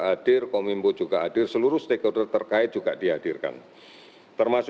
karena protokol ini dibuat bersama sama lintas kementerian